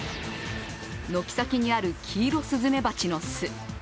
軒先にあるキイロスズメバチの巣。